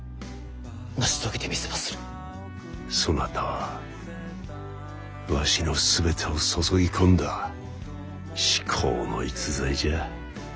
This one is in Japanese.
そなたはわしのすべてを注ぎ込んだ至高の逸材じゃ。